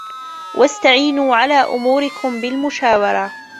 وَاسْتَعِينُوا عَلَى أُمُورِكُمْ بِالْمُشَاوَرَةِ